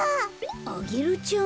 アゲルちゃん？